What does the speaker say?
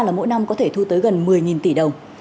là mỗi năm có thể thu tới gần một mươi tỷ đồng